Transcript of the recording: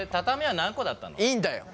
いいんだよ！